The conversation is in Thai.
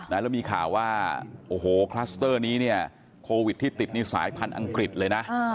แล้วมีข่าวว่าโอ้โหคลัสเตอร์นี้เนี่ยโควิดที่ติดนี่สายพันธุ์อังกฤษเลยนะ